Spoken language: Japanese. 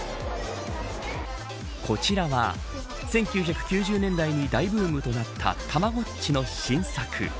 こちらは１９９０年代に大ブームとなったたまごっちの新作。